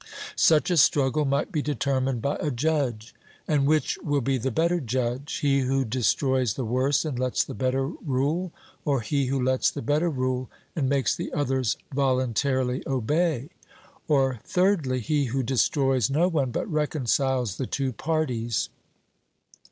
Such a struggle might be determined by a judge. And which will be the better judge he who destroys the worse and lets the better rule, or he who lets the better rule and makes the others voluntarily obey; or, thirdly, he who destroys no one, but reconciles the two parties?